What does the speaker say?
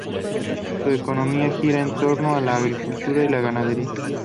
Su economía gira en torno a la agricultura y la ganadería.